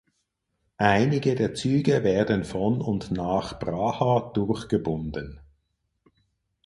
Einige der Züge werden von und nach Praha durchgebunden.